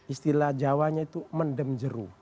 istilah jawanya itu mendemjeru